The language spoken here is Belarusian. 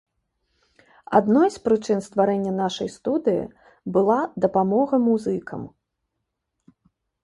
Адной з прычын стварэння нашай студыі была дапамога музыкам.